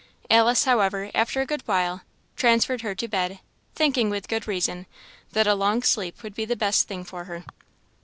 Alice, however, after a while, transferred her to bed, thinking, with good reason, that a long sleep would be the best thing for her.